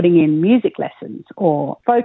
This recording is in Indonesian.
dan menulis pelajaran musik